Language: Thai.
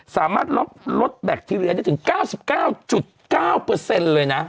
สามารถลบลดแบคทีเรียได้ถึง๙๙๙๙เลยนะ